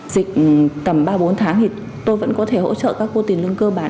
dịch tầm ba bốn tháng thì tôi vẫn có thể hỗ trợ các cô tiền lương cơ bản